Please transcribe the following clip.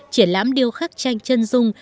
triển lãm điêu khắc tranh chân dung